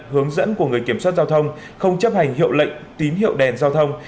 hướng dẫn của người kiểm soát giao thông không chấp hành hiệu lệnh tín hiệu đèn giao thông